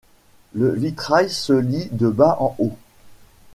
Le vitrail se lit de bas en haut.